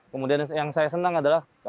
kemudian yang saya senang adalah